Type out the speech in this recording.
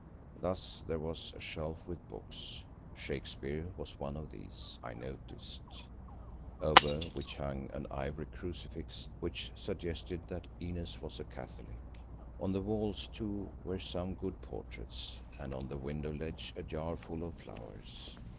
Thus there was a shelf with books, Shakespeare was one of these, I noticed—over which hung an ivory crucifix, which suggested that Inez was a Catholic. On the walls, too, were some good portraits, and on the window ledge a jar full of flowers.